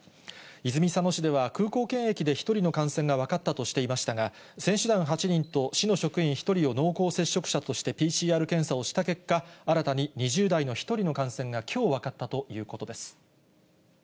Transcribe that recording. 泉佐野市では、空港検疫で１人の感染が分かったとしていましたが、選手団８人と市の職員１人を濃厚接触者としてＰＣＲ検査をした結果、新たに２０代の１人の感染がきょう分かったということです。